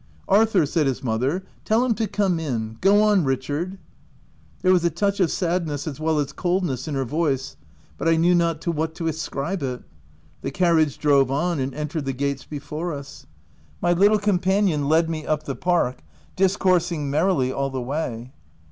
" Arthur," said his mother, " tell him to come in. Go on Richard/ ' There was a touch of sadness as well as cold ness in her voice, but 1 knew not to what to ascribe it. The carriage drove on and entered the gates before us. My little companion led me up the park, discoursing merrily all the way.